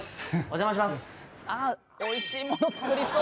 お邪魔します